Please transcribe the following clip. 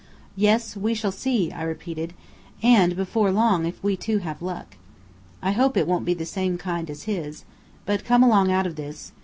"Yes, we shall see," I repeated. "And before long if we too have luck." "I hope it won't be the same kind as his. But come along out of this.